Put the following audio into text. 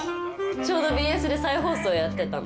ちょうどＢＳで再放送やってたの。